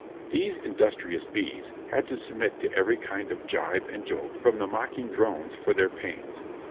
These industrious bees had to submit to every kind of jibe and joke from the mocking drones for their pains.